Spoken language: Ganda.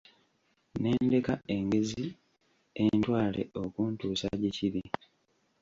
Ne ndeka engezi entwale okuntuusa gye kiri .